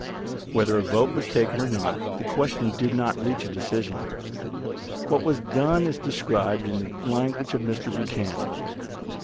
Whether a vote was taken or not, the question did not reach a decision. What was done is described in the language of Mr. Buchanan.